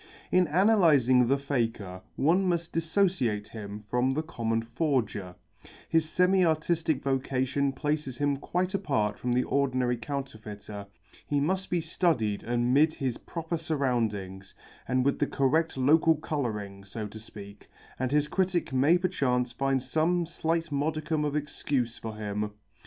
In analysing the Faker one must dissociate him from the common forger; his semi artistic vocation places him quite apart from the ordinary counterfeiter; he must be studied amid his proper surroundings, and with the correct local colouring, so to speak, and his critic may perchance find some slight modicum of excuse for him.